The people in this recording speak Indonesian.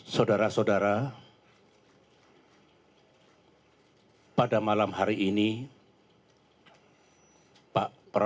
saudara saudara pada malam hari ini pak prabowo dan saya melaksanakan pertemuan politik di tempat ini